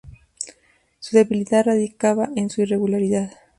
Su debilidad radicaba en su irregularidad.